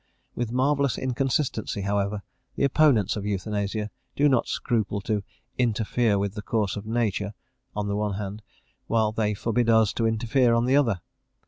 With marvellous inconsistency, however, the opponents of euthanasia do not scruple to "interfere with the course of nature" on the one hand, while they forbid us to interfere on the other.